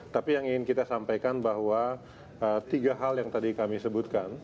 tapi yang ingin kita sampaikan bahwa tiga hal yang tadi kami sebutkan